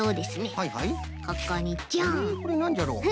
えこれなんじゃろう？